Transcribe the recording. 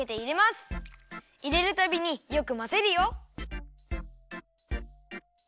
いれるたびによくまぜるよ！